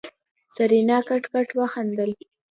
سېرېنا کټ کټ وخندل.